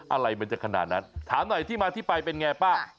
อะไรมันจะขนาดนั้นถามหน่อยที่มาที่ไปเป็นไงป้า